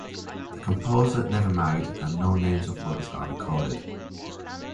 The composer never married, and no names of lovers are recorded.